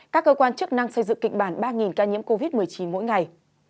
các cơ quan chức năng xây dựng kịch bản ba ca nhiễm covid một mươi chín mỗi ngày